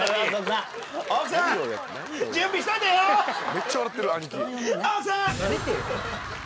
めっちゃ笑ってるアニキ。